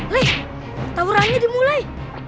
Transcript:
lek taburannya dimulai